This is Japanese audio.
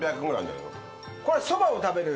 これそばを食べる。